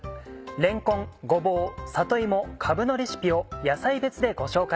れんこんごぼう里芋かぶのレシピを野菜別でご紹介。